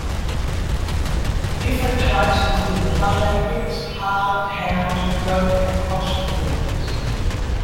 Different types include the butt apex, halved, housed, yoke, and crossed forms.